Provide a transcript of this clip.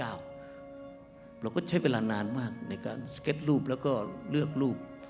เราก็ใช้เวลานานมากในการสเก็ตรูปแล้วก็เลือกรูป